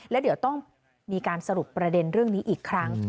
แล้วเดี๋ยวต้องมีการสรุปประเด็นเรื่องนี้อีกครั้ง